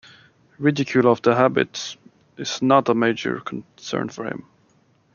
Ridicule of the habit is not a major concern for him.